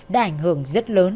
đã ảnh hưởng rất lớn